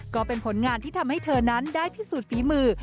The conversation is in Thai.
ก็เป็นผลงานที่ทำให้เธอนั้นได้พิสูจน์ฝีมือ